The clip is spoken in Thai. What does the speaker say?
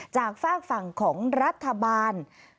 ฝากฝั่งของรัฐบาล